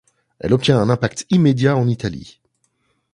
Elle obtient un impact immédiat en Italie.